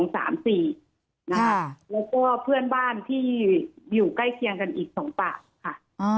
แล้วก็เพื่อนบ้านที่อยู่ใกล้เคียงกันอีก๒ปากค่ะ